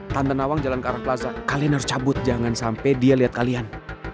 tante nawang jalan ke arah plaza kalian harus cabut jangan sampai dia lihat kalian